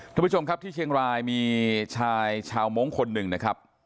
ท่านผู้ชมครับที่เชียงรายมีชายชาวมงค์คนหนึ่งนะครับ